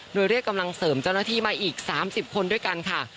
โดยเรียกกำลังเสริมเจ้าหน้าที่มาอีก๓๐คนด้วยกันค่ะ